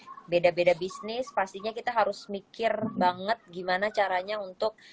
nah ini gimana nih beda beda bisnis pastinya kita harus mikir banget gimana caranya untuk